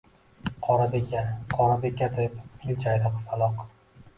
– Qorabeka, Qorabeka! – deb iljaydi qizaloq